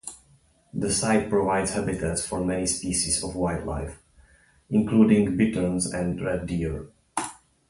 The site provides habitats for many species of wildlife, including bitterns and red deer.